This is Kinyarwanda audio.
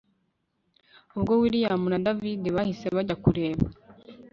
ubwo william na david bahise bajya kureba